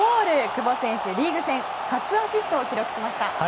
久保選手、リーグ戦初アシストを記録しました。